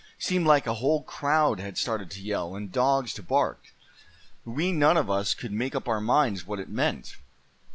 "Seemed like a whole crowd had started to yell, and dogs to bark. We none of us could make up our minds what it meant.